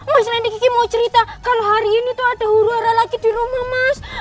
mas lendi kiki mau cerita kalau hari ini tuh ada huru hara lagi di rumah mas